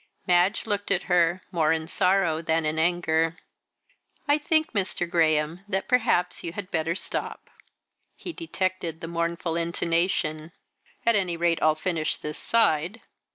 Madge looked at her, more in sorrow than in anger. "I think, Mr. Graham, that perhaps you had better stop." He detected the mournful intonation. "At any rate, I'll finish this side."